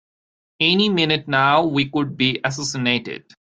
Any minute now we could be assassinated!